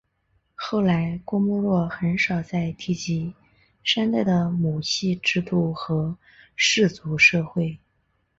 后来郭沫若很少再提及商代的母系制度和氏族社会。